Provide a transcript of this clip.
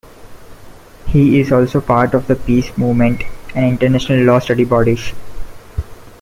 He is also part of the peace movement and international law study bodies.